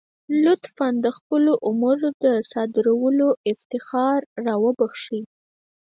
لطفا د خپلو اوامرو د صادرولو افتخار را وبخښئ.